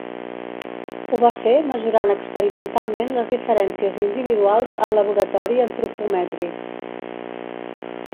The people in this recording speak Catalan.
Ho va fer mesurant experimentalment les diferències individuals al Laboratori Antropomètric.